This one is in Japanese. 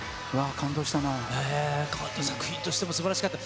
感動、作品としてもすばらしかった。